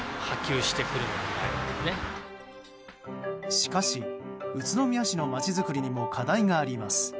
しかし、宇都宮市の街づくりにも課題があります。